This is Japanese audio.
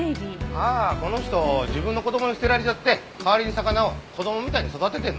ああこの人自分の子供に捨てられちゃって代わりに魚を子供みたいに育ててるの。